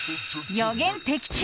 予言的中！